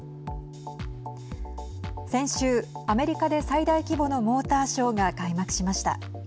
先週、アメリカで最大規模のモーターショーが開幕しました。